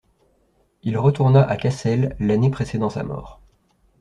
Il retourna à Cassel l'année précédant sa mort.